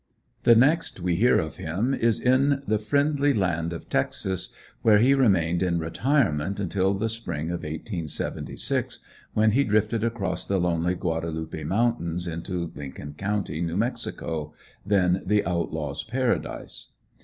The next we hear of him is in the friendly land of Texas, where he remained in retirement until the spring of 1876, when he drifted across the lonely Gandalupe mountains into Lincoln County, New Mexico, then the outlaw's Paradise.